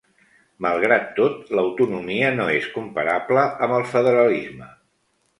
Malgrat tot, l'autonomia no és comparable amb el federalisme.